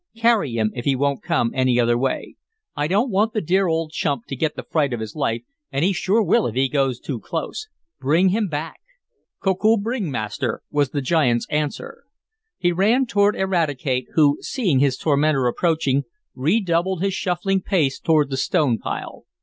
Carry him if he won't come any other way. I don't want the dear old chump to get the fright of his life, and he sure will if he goes too close. Bring him back!" "Koku bring, Master," was the giant's answer. He ran toward Eradicate, who, seeing his tormentor approaching, redoubled his shuffling pace toward the stone pile.